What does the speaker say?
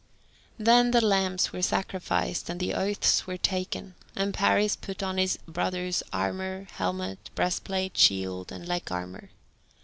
Then the lambs were sacrificed, and the oaths were taken, and Paris put on his brother's armour, helmet, breastplate, shield, and leg armour.